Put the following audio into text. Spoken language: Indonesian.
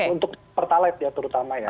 untuk pertalite ya terutama ya